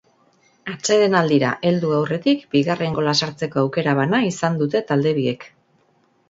Atsedenaldira heldu aurretik bigarren gola sartzeko aukera bana izan dute talde biek.